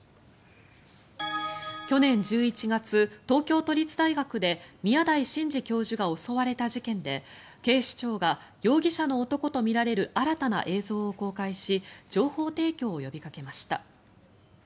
去年１１月、東京都立大学で宮台真司教授が襲われた事件で警視庁が容疑者の男とみられる新たな映像を公開し情報提供を呼びかけました。